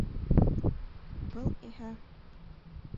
Был иһә...